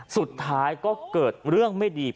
สุดท้ายก็เกิด